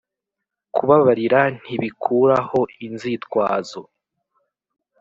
kubabarira ntibikura ho inzitwazo